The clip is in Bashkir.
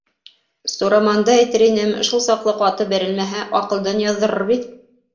Сураманды әйтер инем, шул саҡлы ҡаты бәрелмәһә, аҡылдан яҙҙырыр бит.